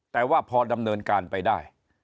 แต่ว่าพอดำเนินการไปได้